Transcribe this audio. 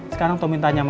sekarang tommy tanya mama